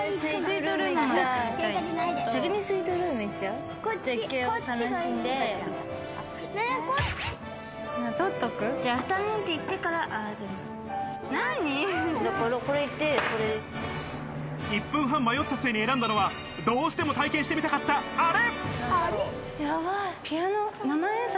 アフタヌーンティー行ってか１分半、迷った末に選んだのは、どうしても体験してみたかった、あれ！